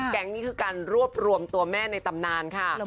นี่คือการรวบรวมตัวแม่ในตำนานค่ะ